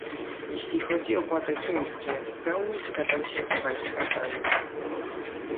Jeśli chodzi o władze chińskie, w pełni zgadzam się z państwa zdaniem